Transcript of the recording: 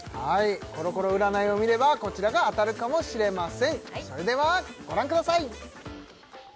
コロコロ占いを見ればこちらが当たるかもしれませんそれではご覧ください